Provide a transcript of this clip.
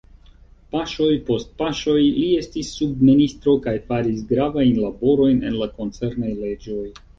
Paŝoj post paŝoj li estis subministro kaj faris gravajn laborojn en la koncernaj leĝoj.